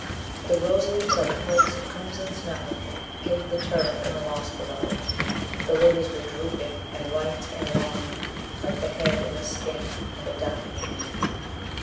_25 The rose leaves, like flakes of crimson snow, Paved the turf and the moss below. The lilies were drooping, and white, and wan, Like the head and the skin of a dying man.